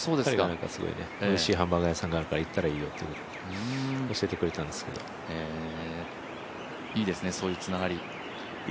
おいしいハンバーガー屋さんがあるから行ったらいいよいいですね、そういうつながり。